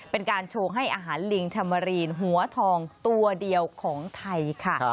เป็นการโชว์ให้อาหารลิงธรรมรีนหัวทองตัวเดียวของไทยค่ะ